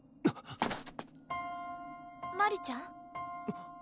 マリちゃん？